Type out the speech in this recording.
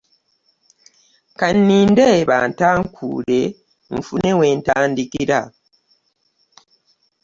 Ka nninde bantaakuule nfune we ntandikira.